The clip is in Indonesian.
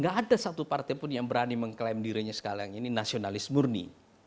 gak ada satu partai pun yang berani mengklaim dirinya sekalian ini nasionalis murni